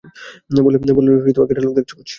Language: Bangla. বললেন, ক্যাটালগ দেখছ বুঝি?